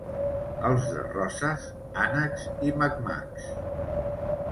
Els de Roses, ànecs i mac-macs.